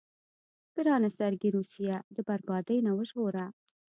ګرانه سرګي روسيه د بربادۍ نه وژغوره.